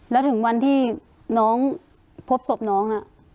แล้วถึงวันที่น้องพบศพน้องน่ะ